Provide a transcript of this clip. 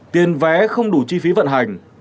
tiền vé không đủ chi phí vận hành